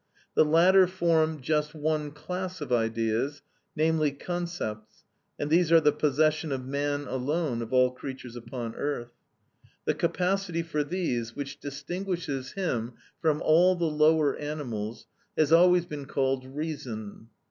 The latter form just one class of ideas, namely concepts, and these are the possession of man alone of all creatures upon earth. The capacity for these, which distinguishes him from all the lower animals, has always been called reason.